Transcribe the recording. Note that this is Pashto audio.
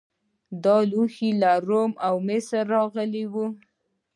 دا لوښي له روم او مصر راغلي وو